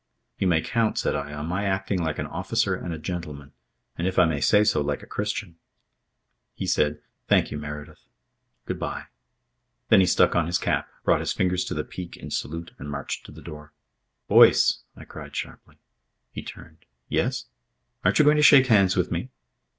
"You may count," said I, "on my acting like an officer and a gentleman, and, if I may say so, like a Christian." He said: "Thank you, Meredyth. Good bye." Then he stuck on his cap, brought his fingers to the peak in salute and marched to the door. "Boyce!" I cried sharply. He turned. "Yes?" "Aren't you going to shake hands with me?"